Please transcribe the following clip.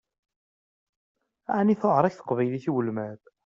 Ɛni tewεeṛ-ak teqbaylit i ulmad?